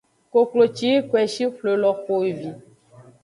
Koklo ci yi koeshi xwle lo xo evi.